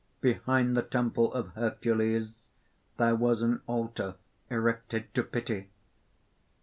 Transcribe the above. "Behind the temple of Hercules there was an altar erected to Pity.